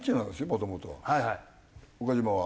もともとは岡島は。